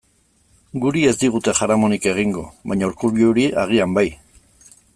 Guri ez digute jaramonik egingo, baina Urkulluri agian bai.